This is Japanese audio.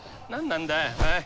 何なんだよ。